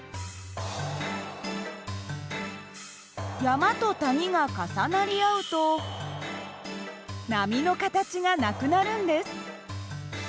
山と谷が重なり合うと波の形がなくなるんです。